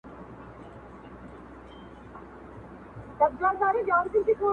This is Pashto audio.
له هر جامه ستانوم خولې تــــــــه راځــــــي.